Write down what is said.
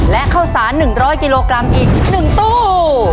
และข้าวสาร๑๐๐กิโลกรัมอีก๑ตู้